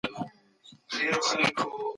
که پښتو وي، نو کلتوري داستانونه به تل ژوندۍ وي.